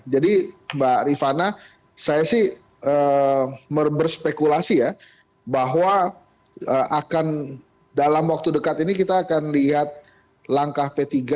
jadi mbak rifana saya sih berspekulasi ya bahwa akan dalam waktu dekat ini kita akan lihat langkah p tiga